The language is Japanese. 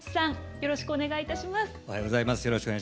よろしくお願いします。